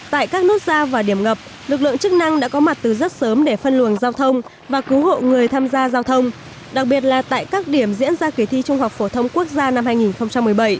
tại các nút giao và điểm ngập lực lượng chức năng đã có mặt từ rất sớm để phân luồng giao thông và cứu hộ người tham gia giao thông đặc biệt là tại các điểm diễn ra kỳ thi trung học phổ thông quốc gia năm hai nghìn một mươi bảy